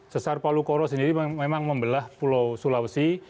sesar palu koro sendiri memang membelah pulau sulawesi